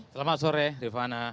selamat sore rifana